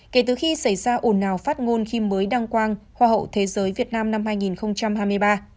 kể từ khi xảy ra ồn ào phát ngôn khi mới đăng quang hoa hậu thế giới việt nam năm hai nghìn hai mươi ba